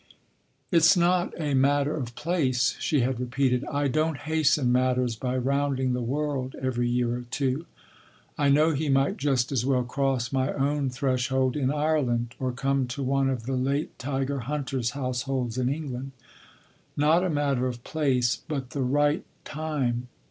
"It’s not a matter of place," she had repeated. "I don’t hasten matters by rounding the world every year or two. I know he might just as well cross my own threshold in Ireland or come to one of the late tiger hunter’s households in England. Not a matter of place, but the right time.